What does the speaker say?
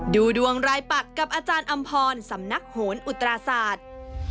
ดูดวงรายปักกับอาจารย์อำพรสำนักโหนอุตราศาสตร์